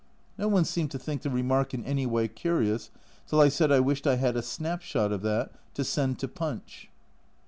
No one seemed to think the remark in any way curious till I said I wished I had a snapshot of that to send to Punch.